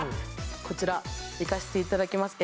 こちらいかせていただきます